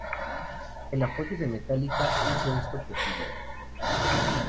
El apoyo de Metallica hizo esto posible.